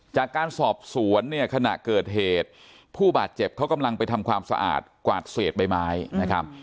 จากการสอบสวนเนี่ยขณะเกิดเหตุผู้บาดเจ็บเขากำลังไปทำความสะอาดกวาดเศษใบไม้นะครับ